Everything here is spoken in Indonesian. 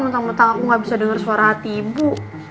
mentang mentang aku nggak bisa denger suara hati ibu